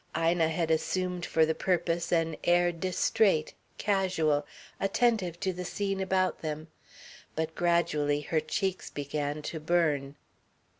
Ina had assumed for the purpose an air distrait, casual, attentive to the scene about them. But gradually her cheeks began to burn.